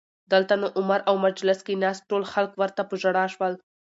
دلته نو عمر او مجلس کې ناست ټول خلک ورته په ژړا شول